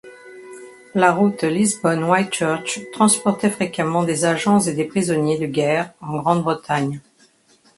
La route Lisbonne-Whitchurch transportait fréquemment des agents et des prisonniers de guerre en Grande-Bretagne.